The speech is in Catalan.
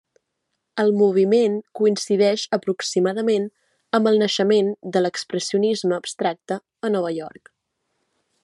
El moviment coincideix aproximadament amb el naixement de l'Expressionisme abstracte a Nova York.